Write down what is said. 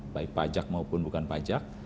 baik pajak maupun bukan pajak